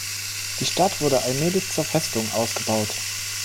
Die Stadt wurde allmählich zur Festung ausgebaut.